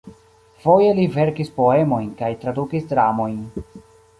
Foje li verkis poemojn kaj tradukis dramojn.